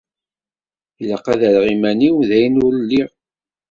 Ilaq ad rreɣ iman-iw d ayen ur lliɣ.